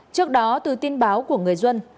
trước đó từ tin báo của người dân